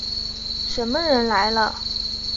什么人来了？